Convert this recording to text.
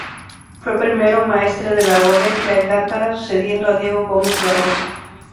Fue primero maestre de la Orden de Alcántara, sucediendo a Diego Gómez Barroso.